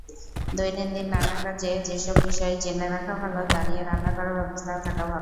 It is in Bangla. দৈনন্দিন নানা কাজে যেসব বিষয় জেনে রাখা ভালো—দাঁড়িয়ে রান্না করার ব্যবস্থা থাকা ভালো।